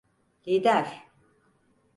Lider!